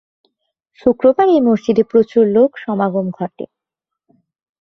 শুক্রবার এই মসজিদে প্রচুর লোক সমাগম ঘটে।